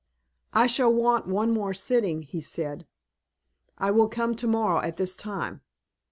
"I shall want one more sitting," he said. "I will come to morrow at this time."